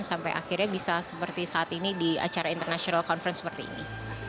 sampai akhirnya bisa seperti saat ini di acara international conference seperti ini